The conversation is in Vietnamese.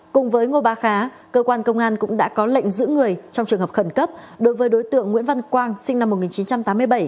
cùng với ngô ba khá cơ quan công an cũng đã có lệnh giữ người trong trường hợp khẩn cấp đối với đối tượng nguyễn văn quang sinh năm một nghìn chín trăm tám mươi bảy